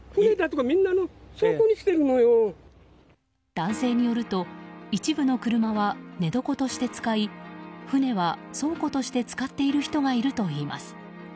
男性によると一部の車は寝床として使い船は倉庫として使っている人がいるといいます。